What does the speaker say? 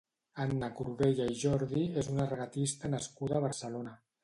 Anna Corbella i Jordi és una regatista nascuda a Barcelona.